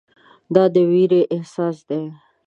دا د ویرې احساس دی.